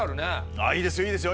ああいいですよいいですよ！